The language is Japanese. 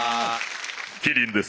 麒麟です。